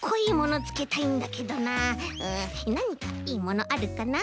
うんなにかいいものあるかな。